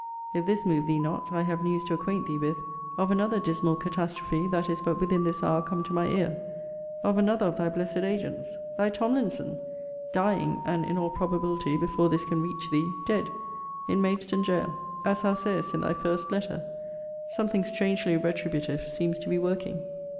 ] If this move thee not, I have news to acquaint thee with, of another dismal catastrophe that is but within this hour come to my ear, of another of thy blessed agents. Thy TOMLINSON! Dying, and, in all probability, before this can reach thee, dead, in Maidstone gaol. As thou sayest in thy first letter, something strangely retributive seems to be working.